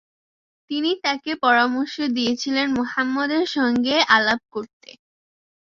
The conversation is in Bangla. তিনি তাকে পরামর্শ দিয়েছিলেন মুহাম্মদের সঙ্গে আলাপ করতে।